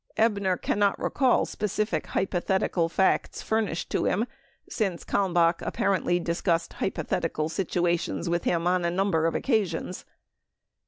Ebner cannot recall specific hypothetical facts furnished him since Kalmbach apparently discussed hypothetical sit uations with him on a number of occasions.